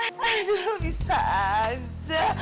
aduh bisa aja